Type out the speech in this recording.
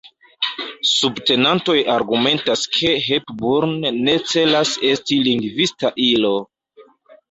Subtenantoj argumentas ke Hepburn ne celas esti lingvistika ilo.